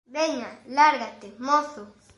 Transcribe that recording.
Veña, lárgate, mozo.